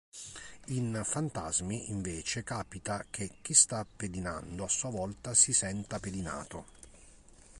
In "Fantasmi", invece, capita che chi sta pedinando a sua volta si senta pedinato.